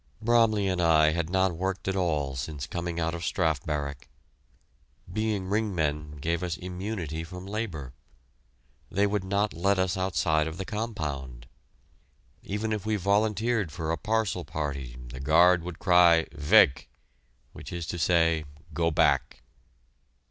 Bromley and I had not worked at all since coming out of Strafe Barrack. Being ring men gave us immunity from labor. They would not let us outside of the compound. Even if we volunteered for a parcel party, the guard would cry "Weg!" which is to say, "Go back."